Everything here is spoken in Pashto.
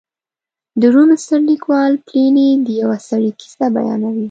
د روم ستر لیکوال پیلني د یوه سړي کیسه بیانوي